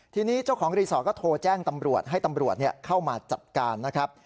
ทีนี้เจ้าของรีสอร์ทก็โทรแจ้งตำรวจให้ตำรวจเข้ามาจัดการนะครับ